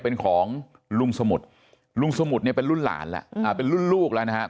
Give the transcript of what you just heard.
เป็นของลุงสมุทรลุงสมุทรเนี่ยเป็นรุ่นลูกแล้วนะครับ